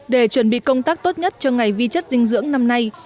để chuẩn bị công tác tốt nhất cho ngày vi chất dinh dưỡng năm nay